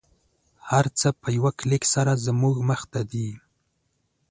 هر څه په یوه کلیک سره زموږ مخته دی